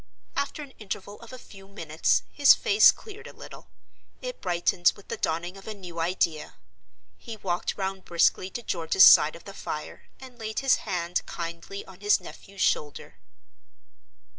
After an interval of a few minutes, his face cleared a little; it brightened with the dawning of a new idea. He walked round briskly to George's side of the fire, and laid his hand kindly on his nephew's shoulder.